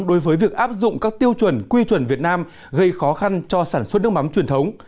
đối với việc áp dụng các tiêu chuẩn quy chuẩn việt nam gây khó khăn cho sản xuất nước mắm truyền thống